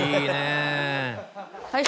はい。